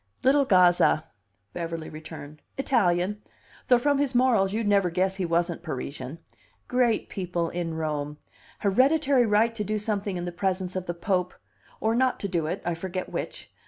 "Little Gazza," Beverly returned. "Italian; though from his morals you'd never guess he wasn't Parisian. Great people in Rome. Hereditary right to do something in the presence of the Pope or not to do it, I forget which.